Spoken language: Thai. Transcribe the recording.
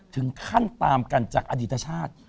ถึงขั้นตามกันจากอดีตชาติ